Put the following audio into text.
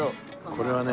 これはね。